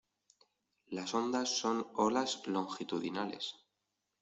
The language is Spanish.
las ondas son olas longitudinales.